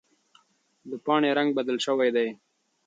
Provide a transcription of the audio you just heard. د پاڼې رنګ بدل شوی دی.